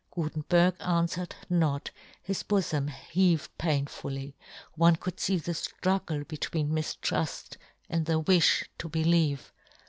Gutenberg anfwered not, his bofom heaved painfully — one could fee the ftruggle between miftruft and the wifh to believe.